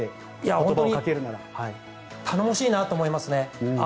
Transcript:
本当に頼もしいなと思いますね。